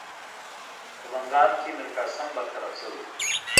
په بنګال کې میرقاسم برطرف شوی وو.